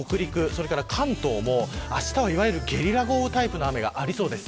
それから関東もあしたはいわゆるゲリラ豪雨タイプの雨が出そうです。